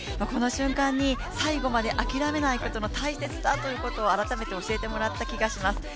この瞬間に最後まで諦めないことの大切さということを改めて教えてもらった気がします。